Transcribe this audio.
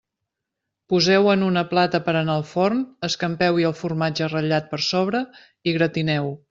Poseu-ho en una plata per a anar al forn, escampeu-hi el formatge ratllat per sobre i gratineu-ho.